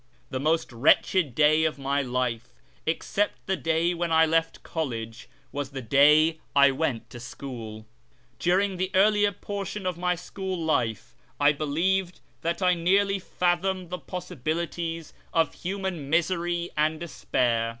The most wretched day of my life, except the day when I left college, was the day I went to school. During the earlier portion of my school life I believe that I nearly fathomed the possibilities of human misery and despair.